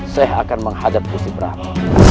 syekh akan menghadap gusti prabu